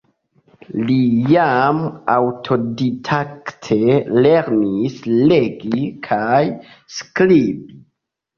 Li jam aŭtodidakte lernis legi kaj skribi.